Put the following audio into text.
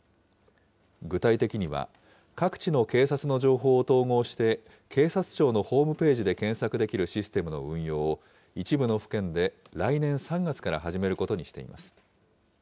具体的には、各地の警察の情報を統合して、警察庁のホームページで検索できるシステムの運用を、一部の府県で来年３月から始めることにしています。